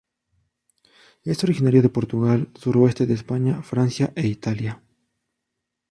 Es originaria de Portugal, suroeste de España, Francia e Italia.